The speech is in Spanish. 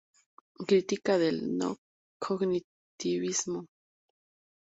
Crítica del no-cognitivismo.